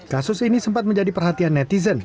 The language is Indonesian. kasus ini sempat menjadi perhatian netizen